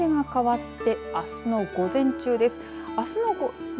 日付が変わってあすの午前中です。